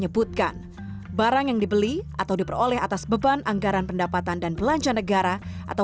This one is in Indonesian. barang milik negara atau daerah